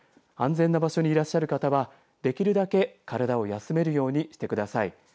安全な場所にいらっしゃる方はできるだけ体を休めるようにしてください。